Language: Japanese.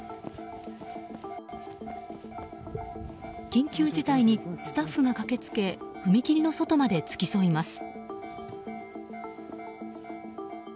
緊急事態にスタッフが駆けつけ踏切の外まで付き添います。